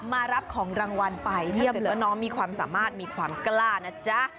มารับของรางวัลไปถ้าเกิดว่าน้องมีความสามารถมีความกล้านะจ๊ะ